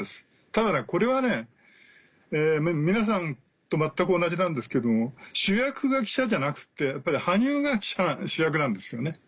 ただこれは皆さんと全く同じなんですけども主役が記者じゃなくてやっぱり羽生が主役なんですよね。